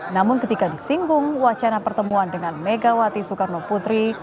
namun ketika disinggung wacana pertemuan dengan megawati soekarno putri